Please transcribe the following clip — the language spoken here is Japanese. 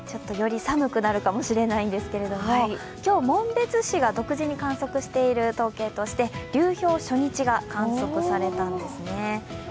より寒くなるかもしれないんですけれども、今日紋別市が独自に観測している統計として流氷初日が観測されたんですね。